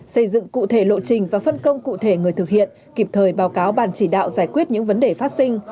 xây dựng cụ thể lộ trình và phân công cụ thể người thực hiện kịp thời báo cáo ban chỉ đạo giải quyết những vấn đề phát sinh